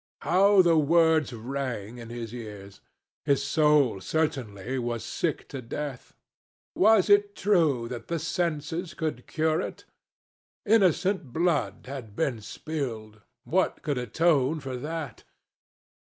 How the words rang in his ears! His soul, certainly, was sick to death. Was it true that the senses could cure it? Innocent blood had been spilled. What could atone for that?